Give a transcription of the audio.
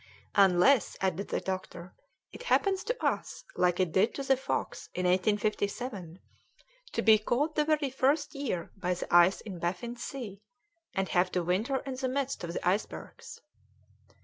"Unless," added the doctor, "it happens to us like it did to the Fox in 1857, to be caught the very first year by the ice in Baffin's Sea, and have to winter in the midst of the icebergs."